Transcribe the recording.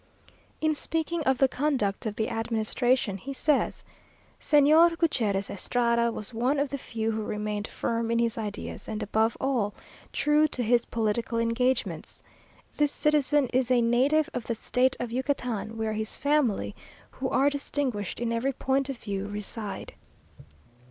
In speaking of the conduct of the administration, he says "Señor Gutierrez Estrada was one of the few who remained firm in his ideas, and above all, true to his political engagements. This citizen is a native of the State of Yucatan, where his family, who are distinguished in every point of view, reside.